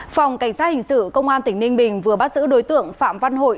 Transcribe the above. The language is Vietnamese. phòng cảnh sát hình sự công an tỉnh ninh bình vừa bắt giữ đối tượng phạm văn hội